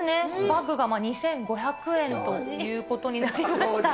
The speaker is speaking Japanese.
バッグが２５００円ということになりました。